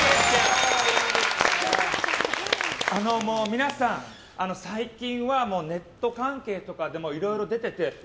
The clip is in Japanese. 皆さん、最近はネット関係とかでもいろいろ出てて、え？